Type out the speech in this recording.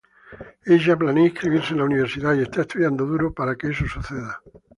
Ella planea inscribirse en la universidad y está estudiando duro para que eso suceda.